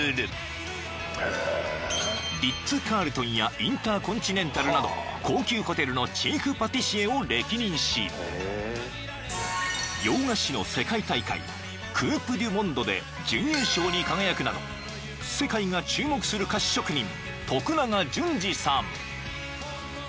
［リッツ・カールトンやインターコンチネンタルなど高級ホテルのチーフパティシエを歴任し洋菓子の世界大会クープ・デュ・モンドで準優勝に輝くなど世界が注目する菓子職人］